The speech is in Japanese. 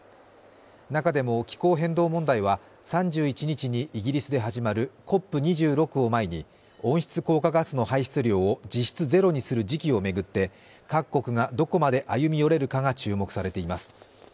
中でも気候変動問題は３１日にイギリスで始まるＣＯＰ２６を前に温室効果ガスの排出量を実質ゼロにする時期を巡って各国がどこまで歩み寄れるかが注目されています。